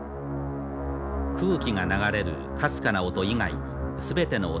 空気が流れるかすかな音以外全ての音が消えた都市。